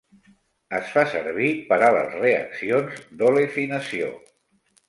Es fa servir per a les reaccions d'"olefinació".